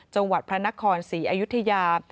จังหวัดพระนครศรีอยุธยา